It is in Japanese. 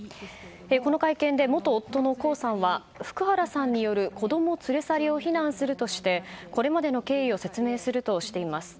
この会見で元夫の江さんは福原さんによる子供連れ去りを非難するとしてこれまでの経緯を説明するとしています。